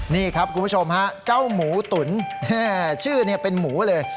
นี่ครับคุณผู้ชมฮะเจ้าหมูตุ๋นชื่อเป็นหมูเลย